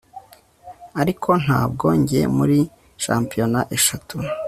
Ariko ntabwo njya muri shampiyona eshatu